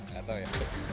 enggak tahu ya